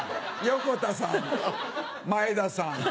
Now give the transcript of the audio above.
横田さん。